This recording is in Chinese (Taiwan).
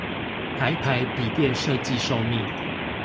台牌筆電設計壽命